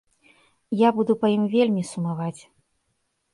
Я буду па ім вельмі сумаваць.